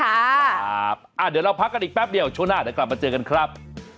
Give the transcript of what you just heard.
เดี๋ยวเราพักกันอีกแป๊บเดียวช่วงหน้าเดี๋ยวกลับมาเจอกันครับ